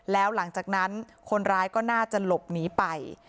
แล้วหลังจากนั้นคนร้ายก็น่าจะหลบหนีไป